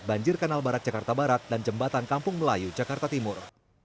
banjir kanal barat jakarta barat dan jembatan kampung melayu jakarta timur